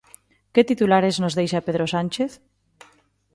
Que titulares nos deixa Pedro Sánchez?